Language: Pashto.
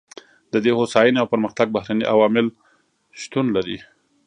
د دې هوساینې او پرمختګ بهرني عوامل شتون لري.